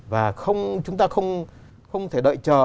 và chúng ta không thể đợi chờ